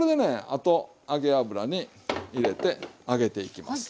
あと揚げ油に入れて揚げていきます。